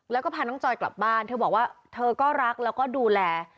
แล้วก็พาน้องจอยกลับบ้านเธอบอกว่าเธอก็รักแล้วก็ดูแล